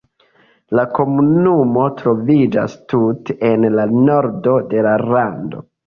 La komunumo troviĝas tute en la nordo de la lando.